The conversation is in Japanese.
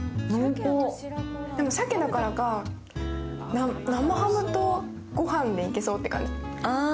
でも鮭だからか、生ハムと御飯もいけそうって感じ。